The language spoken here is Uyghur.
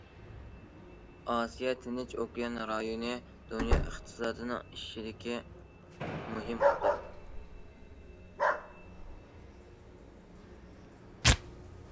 ئاسىيا- تىنچ ئوكيان رايونى دۇنيا ئىقتىسادىنىڭ ئېشىشىدىكى مۇھىم موتور.